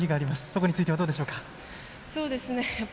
そこについてはどうでしょうか？